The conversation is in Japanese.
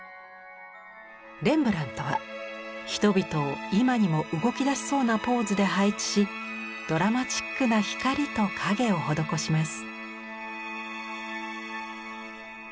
レンブラントは人々を今にも動きだしそうなポーズで配置しドラマチックな光と影を施します。